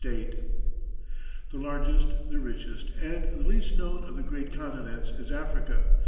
Stanley.] The largest, the richest, and the least known of the great continents is Africa.